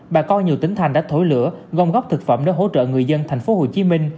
bà con nhiều tỉnh thành đã thổi lửa gom góp thực phẩm để hỗ trợ người dân tp hcm